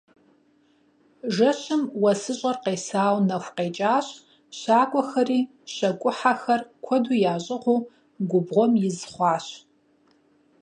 Жэщым уэсыщӀэр къесауэ нэху къекӀащ, щакӀуэхэри, щакӀухьэхэр куэду ящӀыгъуу, губгъуэм из хъуащ.